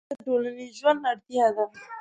اړیکه د ټولنیز ژوند اړتیا ده.